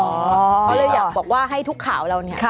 เขาเลยอยากบอกว่าให้ทุกข่าวเราเนี่ย